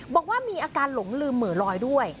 บอกว่ามีอาการหลงลืมเหมือลอยด้วย